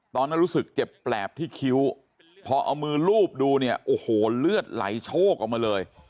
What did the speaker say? ตอนนั้นรู้สึกเจ็บแปลบที่คิ้วพอเอามือลูบดูเนี่ยโอ้โหเลือดไหลโชคออกมาเลย